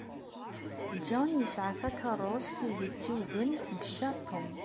John yesɛa takeṛṛust ay d-yettewgen deg Japun.